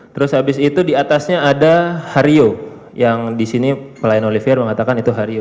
terus habis itu di atasnya ada hario yang di sini pelayan oliver mengatakan itu hario